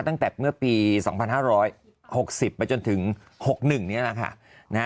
ตั้งแต่เมื่อปี๒๕๖๐ไปจนถึง๖๑นี่แหละค่ะ